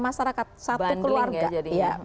masyarakat satu keluarga